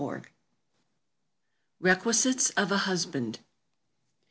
ToC REQUISITES OF A HUSBAND.